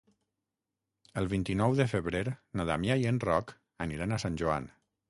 El vint-i-nou de febrer na Damià i en Roc aniran a Sant Joan.